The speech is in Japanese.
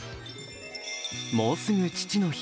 もうすぐ父の日。